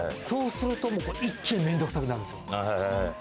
そうすると、一気に面倒くさくなるんですよ。